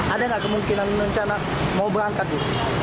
ada nggak kemungkinan rencana mau berangkat tuh